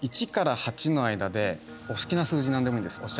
１から８の間でお好きな数字何でもいいです。